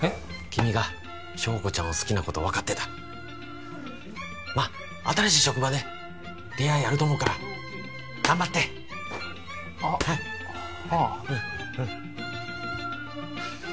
君が硝子ちゃんを好きなこと分かってたまっ新しい職場で出会いあると思うから頑張ってあっはあ